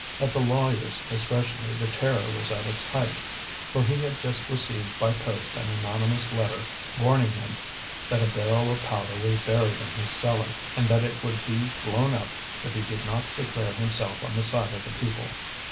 At the lawyer's especially the terror was at its height, for he had just received by post an anonymous letter warning him that a barrel of powder was buried in his cellar, and that it would be blown up if he did not declare himself on the side of the people.